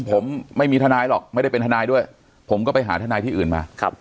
ผมไม่มีทนายหรอกไม่ได้เป็นทนายด้วยผมก็ไปหาทนายที่อื่นมา